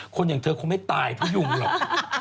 คนอย่างเธอคงไม่ตายเพราะยุงหรอก